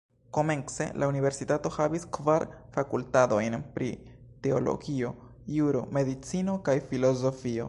Komence, la universitato havis kvar fakultatojn pri teologio, juro, medicino kaj filozofio.